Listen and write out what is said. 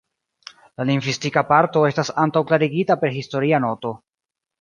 La lingvistika parto estas antaŭklarigita per historia noto.